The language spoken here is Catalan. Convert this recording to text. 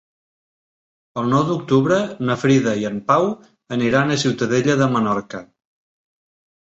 El nou d'octubre na Frida i en Pau aniran a Ciutadella de Menorca.